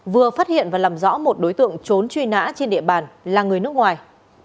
vừa phát hiện và làm rõ một đối tượng trốn truy nã trên địa bàn là người nước ngoài